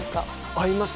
合います